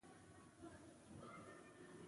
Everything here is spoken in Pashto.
سترګه يې تکه شنه وه.